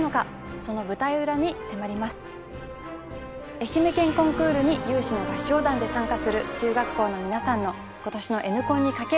愛媛県コンクールに有志の合唱団で参加する中学校のみなさんの今年のＮコンにかける思い